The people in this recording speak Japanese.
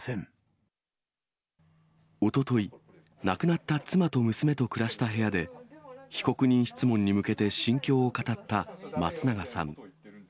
おととい、亡くなった妻と娘と暮らした部屋で、被告人質問に向けて心境を語った松永さん。